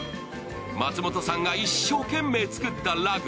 松本さんが一生懸命作ったラグ。